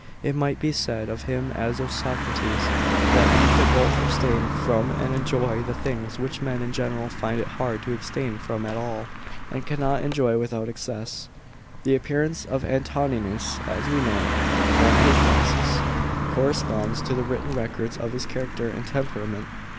It might be said of him as of Socrates, that he could both abstain from and enjoy the things, which men in general find it hard to abstain from at all, and cannot enjoy without excess." *§ 12. The appearance of Antoninus, as we know it from his busts, corresponds to the written records of his character and tem perament.